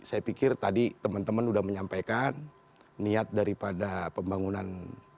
saya pikir tadi teman teman sudah menyampaikan niat daripada pembangunan